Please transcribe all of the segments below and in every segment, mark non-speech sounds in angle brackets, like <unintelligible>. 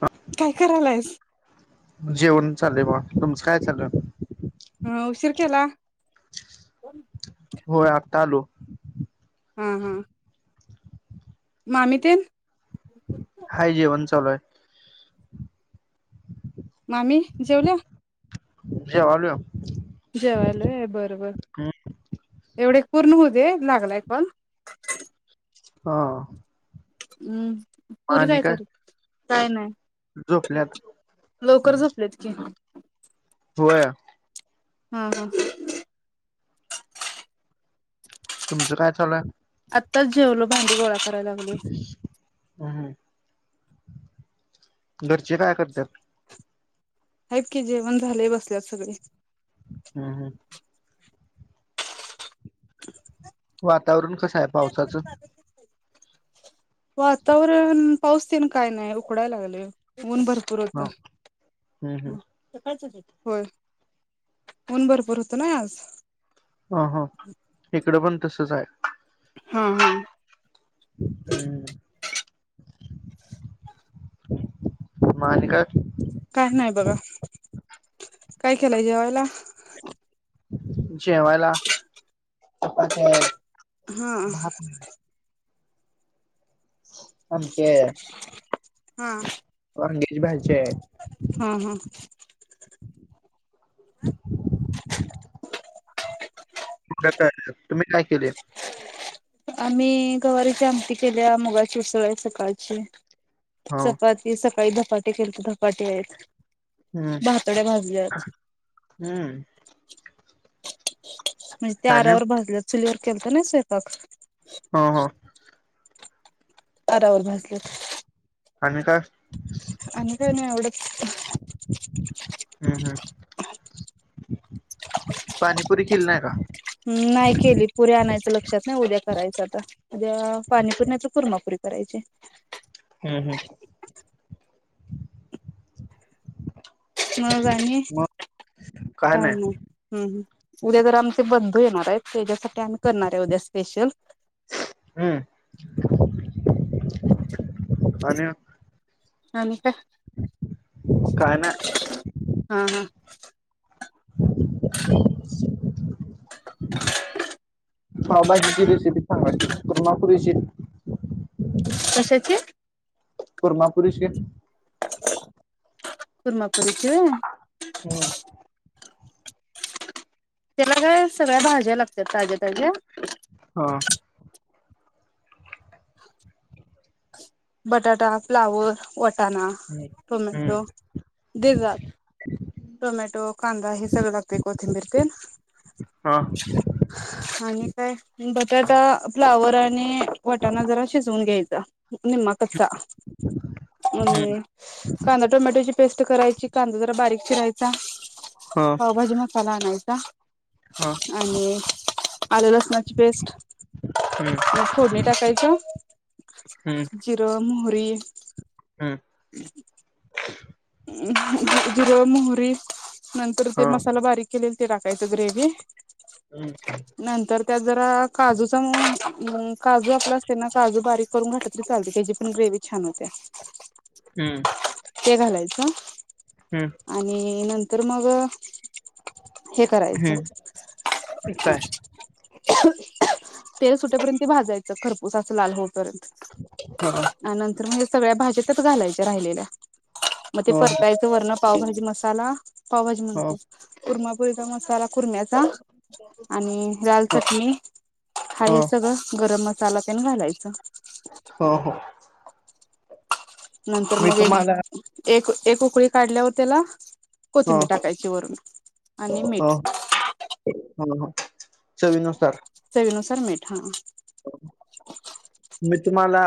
आ काय करायलायस? जेवण चाललंय बा तुमचं काय चाललं? हा उशीर केेला. होय आता आलो. हा हा. मामी तेन हाय जेवण चालू आहे. मामी जेवल्या? जेवायलोय जेवायलोय बरं हम्म. बरं एवढे पूर्ण होवू दे लागलाय कॉल. हां. उम्म पुरी काय कर काय नाही झोपल्यात लवकर झोपलेत की. होया. हां हां. तुमचं काय चालूय? आत्ताच जेवलो भांडी गोळा करायला. लागलोय हम्म हम्म घरचे काय करत्यात? आहेत की जेवण झाले बसल्यात सगळे. हम्म हम्म. वातावरण कसं आहे पावसाचं? वातावरण पाऊस तेन काय नाय उकडाय लागले ऊन भर पुर ह होता हम्म हा. हम्म होय ऊन भरपूर होत ना आज. आ हा इकडं पण तसच आहे. हा हा. हम्म. म आणि काय? काय नाही बघा काय केलाय जेवायला? जेवायला चपात्या आहे. हा. भात आहे, आमटी आहे. हा. वांगीची भाजी आहे. हां हां. ह. <unintelligible> तुम्ही काय केले? आम्ही गवारीची आमटी केल्या मुगाची उसळ आहे सकाळची हो चपात ते सकाळी धपाटे केले तर धपाटे आहेत. हम्म भातोड्या भाजल्यात हम्म. म्हणजे ते आणि आरावर भाजल्या चुलीवर केलेतं ना स्वयंपाक. हां हां. आरावरभाजलेत. आणि काय? आणि काय नाय एवढच. हम्म हम्म. पाणीपुरी केली नाय का? ह् नाही केली पुरी आणायचं लक्षात नाही उद्या करायचं आता. उद्या पाणीपुर नाही तर कुर्मापुरी करायची. हम्म हम्. मग आणी काय नाय. ह उद्या जर आमचे बंधू येणार आहेत, त्याच्यासाठी आम्ही करणार आहे उद्या स्पेशल. हम्म आणि आणि काय? काय नाय. हा हा. <inaudible> पावभजीची रेसिपी सांगा तर कुर्मा पुरीची कशाची. कुर्मा पुरेशी. कुर्मापूरीची होय. हम्म. त्याला काय सगळ्या भाज्या लागत्यात ताज्या ताज्या. हा. बटाटा, फ्लावर, वटाणा, हम्म. हम्म टोमॅटो, दिव्यात टोमॅटो, कांदा, हे सगळं लागतय कोथिंबीर तेन हा. आणि काय बटाटा, फ्लावर आणि वटाणा जरा शिजवून घ्यायचा. निम्मा कच्चा, हम हम्म. कांदा टोमॅटोची पेस्ट करायची, कांदा जरा बारीक चिरायचा. हा. पावभाजी मसाला आणायचा. हा. आणि आलं लसणाची पेस्ट, हमं. फोडणी टाकायचं. जिरं, मोहरी हम. <inaudible> जिरं मोहरी नंतर हा ते मसाला बारीक केले ते टाकायचं ग्रेव्ही. हम्म्. नंतर त्यात जरा काजूचा मंग काजू आपला असते ना काजू बारीक करुन घातली तरी चालते त्याजी पण गिरवी छान होतीया. हम्म. ते घालायचं. हम्म. आणि नंतर मग हे करायचं हम्म काय अ तेल सुटेपर्यंत ती भाजायचं खरपूस असं लाल होऊपर्यंत. हा आणि नंतर म्हणजे सगळ्या भाज्या त्यात घालायच्या राहिलेल्या. मग ते परतायचं वरनं पावभाजी मसाला पावभाजी हा म्हणतो. कुर्मापुरीचा मसाला कुर्म्याचा. आणि लााल हा चटणी हा हे सगळं गरम मसाला तेन घालायचं. हा हा. नंतर मी मग एक तुम्हाला एक एक उकळी काढल्यावर त्याला. ह कोथिंबीर टाकायची वरून आणि मीठ. हा चवी नुसार. सवीनुसार मीठा. मी तुम्हाला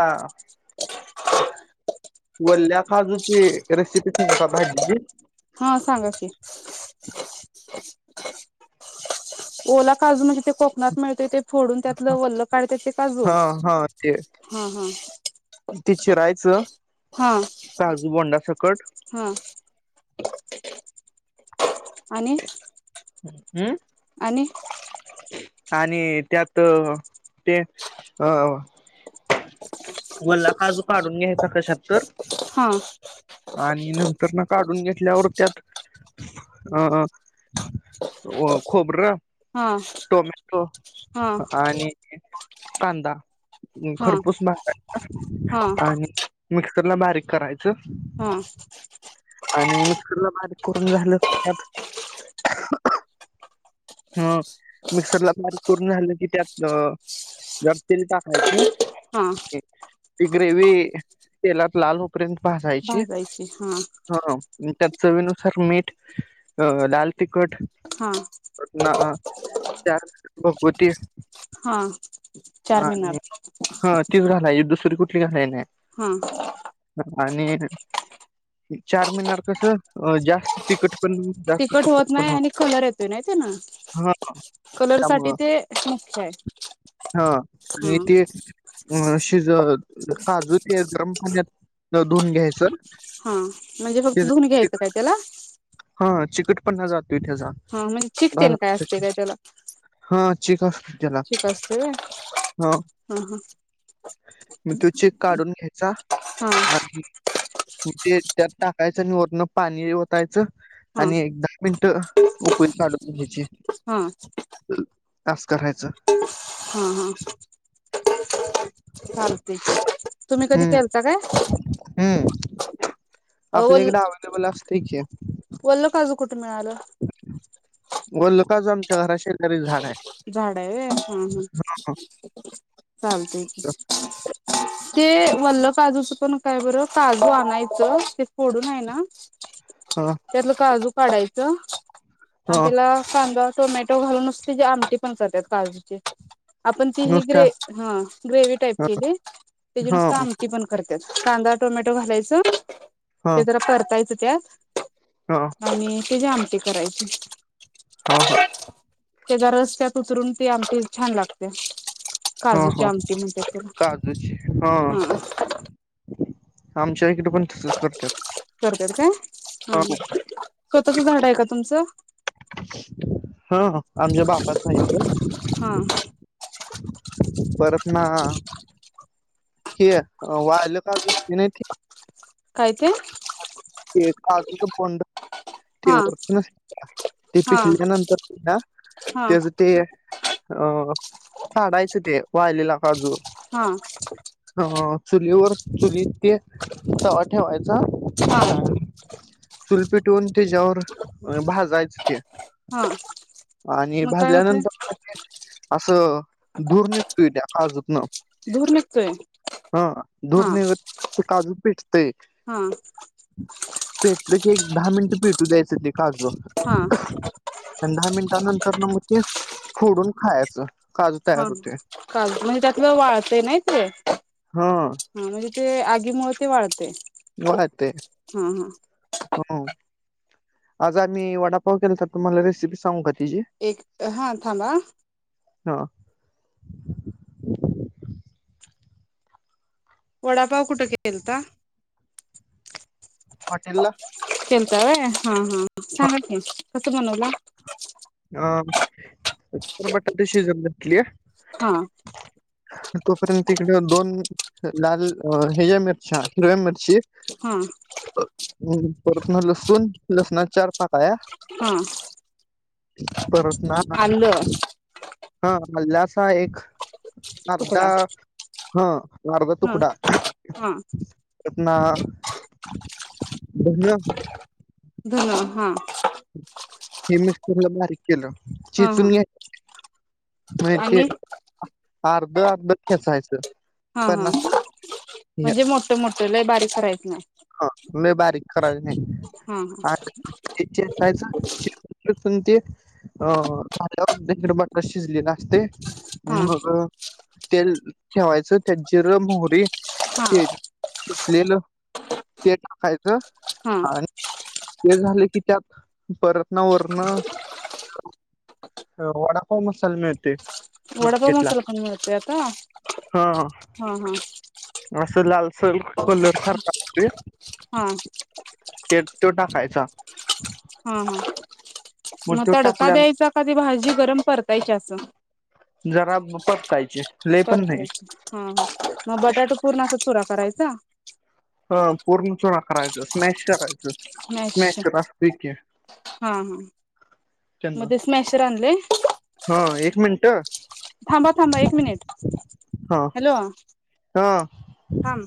वल्या काजूची रेसिपी सा पाहिजे.. हा सांग कि. ओला काजू म्हणजे ते कोकणात मिळतय ते. फोडून त्यातलं वल्ल काढत्यात ते काजू हा हा ते हा हा. ते चिरायचं हा काजू बोंडा सकट. हा. आणि हम्म आणि आणि त्यात ते अ. वल्ला काजू काढून घ्यायचा कशात तर. हा. आणि नंतर ना. काढून घेतल्यावर त्यात अ खोबरं. हा. टोमॅटो हा आणि कांदा. हा खरपूस मारायचा हा आणि मिक्सर ला बारीक करायचं. हा. आणि मिक्सरला बारीक करून झालं त्यात ह मिक्सरला फारीक करून झालं की त्यात जर तिल टा खायच ना. हा ती ग्रेवी तेलात लाल उपर्यंत भासाायची. भाजायची हा. हा त्यात चवीनुसार मीठ अ लाल तिखट. हा च भगवती. हा. चार मिनार तीच घालायची दुसरी कुठली घालायची नाही. हम्म. आणि चार महिन्याार कस जास्त तिकट. तिकट होत नाही आणि कलर येतो नाहीत ना हा कलर साठी त्यामुळं ते. निश्य. हा आणि ते अ शिज काजू ते गरम पाण्यात धुवून घ्यायचं. हा म्हणजे ते फक्त धुन घ्यायचं तिखट काय त्याला? हा चिकटपणणा जातोय त्याचा. हा म्हणजे चिकतेन काय असते काय हाची का तित असतय होय ह ह. म तो चीक काढून घ्यायचा हा आणि ते त्यात टाकायचं आणि वरन पाणी वतायचं हा आणि एक दहा मिनट उकळी काढून घ्यायची. हा हा आस करायचं. हा हा चालतय की. तुम्ही कधी हम्म केलता काय? हम्म आपल्या वल इकडें अवलेबल असत की. वल्ल काजू कुठे मिळालं? वल काजू आमच्या घरा शेजारी झाड आहे झाड हाय होय हम हम चालतय की. ते वल्ल काजूच पण काय बरं काजू आणायचं ते फोडून आहे ना हा. त्यातलं काजू काडायचं आणि ह त्याला कांदा टोमॅटो टो घालून नेसती आमटी पण करातात काजूीचे. आपण ती ही ग्रे नुसत्या हा ग्रेवी टाईप ह केली त्याची नुस्ता ह आम ती पण करत्यात कांदा टोमॅटो घालायच. हा. जरा परतायच त्या ह <unintelligible> आणि तेजी आमटी करायची. ह ह. त्याच्या रस त्यात उतरून ते आमटी छान लागते. हा काजूची हा आमटी म्हणतात त्याला काजूची हा. आमच्या इकडे पण तसच करतात. करत्यात काय हा स्वतःच झाड आहे का तुमचं? हा हा आमच्या बाबाच आहे हा ईथ. परतना हे वाळलेलं काजू <unintelligible> काय ते? ते काजूच बोंड. ते हा वर ते हा पिकल्यानंतर त्याला हा त्याच ते अ काढायचं ते वाळलेला काजू. हा. हा चुलीवर चुलीत ते तवा ठेवायचा. हा. आणि चुल पेटवून त्याच्यावर भाजायच ते. हा आणि मग काय होतय भाजल्यानंतर <unintelligible> असं धुर निघतोय त्या काजूतण. धूर निघतोय हा धूर हा निघत ते काजू पेटतेय. हा पेटलं की एक दहा मिनिटं पेटू द्यायचं ते काजू हा आणि दहा मिनिटां नंतर मंग ते फोडून खायाचं. हा काजू म्हणजे त्यातला वाळतय नाय ते हो. हा म्हणजे ते आगीमुळ ते वाळतय. वाळतय. हो आज आम्ही वडापाव केलता तुम्हाला रेसिपी सांगू का त्याजी एक हा थांबा हा हा वडापाव कुठ केलता? हॉटेल ला केलता व्हय सांगा की कस बनवला. अ तर बटाटे शिजत घातली. हा <unintelligible> तोपर्यंत इकड दोन लाल ह्याज्या मिरच्या हिरव्या मिरची हा. परत म लसूण लसणा चार पाकळ्या हा. परत ना हो. हा म्हणजे असा एक अर्धा तुकडा हा अर्धा हा तुकडा हा <unintelligible> धन हा हे मिक्स ला बारीक केलं हा हा चेचून ये मंजे आणि ते अर्ध अर्ध ठेचायच हा हा म्हणजे मोठ मोठं लय बारीक करायचं नाय. हा लय बारीक करायचं नाय. हा हा ते चेचायचं <unintelligible> चेचून ते अ <unintelligible> इकडं बटाट शिजलेला असतय. हा मग तेल ठेवायचं त्यात जिर मोहरी हा हा ते ठेचलेलं ते टाकायचं हा आणं हे झाले की त्यात परत ना वरण ह वडापाव मसाला मिळतय वडा पाव मसाला पण मिळतोय आता हा हा हा असं लालसर कलर सारखा ते हा तेत त्यो टाकायचा हा हा मग म तो तडका टाकल्या द्यायचा का ती भाजी गरम परतायची असं जरा परतायची लय पण नाय. परतायची हा ह म बटाट पूर्ण अस चुरा करायचा ह पूर्ण चुरा करायच स्मॅश करायचं. स्मॅश करा ठीक आहे हा हा म त्यांना ते स्मॅशर आणलाय? हा एक मिनट थांबा थांबा, एक मिनट, हा हॅलो हा थांब.